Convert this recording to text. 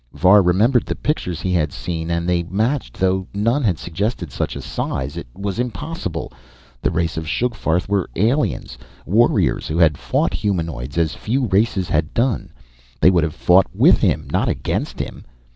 Var remembered the pictures he had seen, and they matched, though none had suggested such a size. It was impossible. The race of Sugfarth were aliens warriors who had fought humanoids as few races had done. They would have fought with him, not against him!